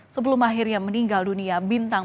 sebelum akhirnya meninggal dunia bintang